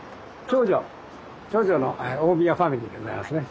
長女の大宮ファミリーでございますね。